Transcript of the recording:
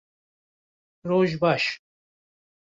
- Roj baş.